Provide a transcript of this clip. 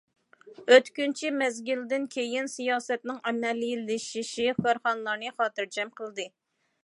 ئۆتكۈنچى مەزگىلدىن كېيىن سىياسەتنىڭ ئەمەلىيلىشىشى كارخانىلارنى خاتىرجەم قىلدى.